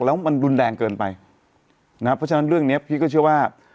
แล้วมันรุนแรงเกินไปนะครับเพราะฉะนั้นเรื่องเนี้ยพี่ก็เชื่อว่า